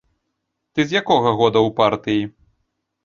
Ты з якога года ў партыі?